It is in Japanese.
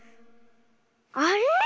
あれ⁉